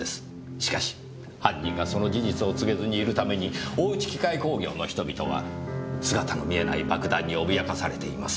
しかし犯人がその事実を告げずにいるために大内機械工業の人々は姿の見えない爆弾に脅かされています。